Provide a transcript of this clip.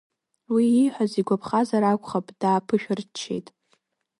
Уи ииҳәаз игәаԥхазар акәхап, дааԥышәырччеит.